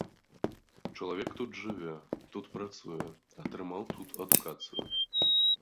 Чалавек тут жыве, тут працуе, атрымаў тут адукацыю.